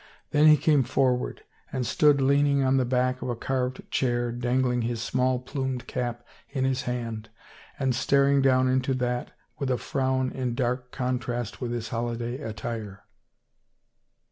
Then he came forward and stood leaning on the back of a carved chair, dangling his small plumed cap in his hand and staring down into that with a frown in dark contrast with his holiday at tire.